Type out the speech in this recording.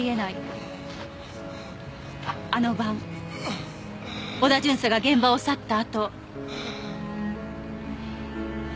あの晩織田巡査が現場を去ったあと。